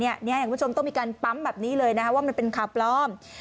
คุณผู้ชมต้องมีการปั๊มแบบนี้เลยว่ามันเป็นข่าวปลอม